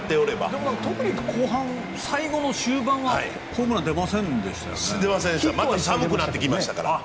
でも特に後半最後の終盤はホームランが寒くなってきましたから。